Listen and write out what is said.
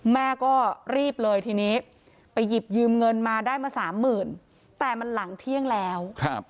แม่ก็รีบเลยทีนี้ไปหยิบยืมเงินมาได้มาสามหมื่นแต่มันหลังเที่ยงแล้ว